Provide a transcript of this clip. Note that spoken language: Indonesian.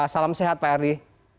salam sehat pak erdi